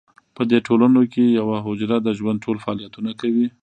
په دې ټولنو کې یوه حجره د ژوند ټول فعالیتونه کوي.